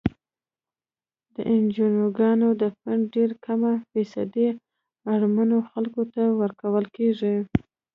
د انجوګانو د فنډ ډیره کمه فیصدي اړمنو خلکو ته ورکول کیږي.